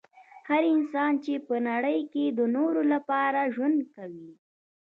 هغه انسان چي په نړۍ کي د نورو لپاره ژوند کوي